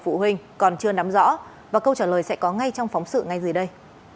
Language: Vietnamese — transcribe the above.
phụ huynh còn chưa nắm rõ và câu trả lời sẽ có ngay trong phóng sự ngay dưới đây